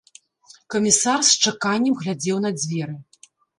Камісар з чаканнем глядзеў на дзверы.